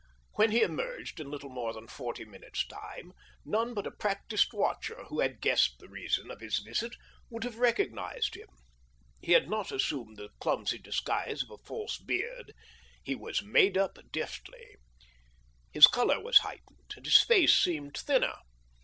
When he emerged in little more than forty minutes' *' AVALANCHE BICYCLE AND TYRE C0.,LTD:' 179 time, none but a practised watcher, who had guessed the reason of the visit, would have recog nised him. He had not assumed the clumsy disguise of a false beard. He was " made up " deftly. His colour was heightened, and his face seemed thinner.